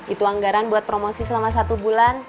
itu anggaran buat promosi selama satu bulan